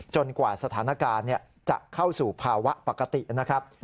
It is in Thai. กว่าสถานการณ์จะเข้าสู่ภาวะปกตินะครับ